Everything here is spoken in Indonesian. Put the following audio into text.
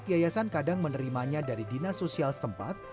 yayasan kadang menerimanya dari dinas sosial setempat